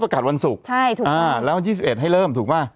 ประกาศวันศุกร์ใช่ถูกอ่าแล้ววันยี่สิบเอ็ดให้เริ่มถูกว่า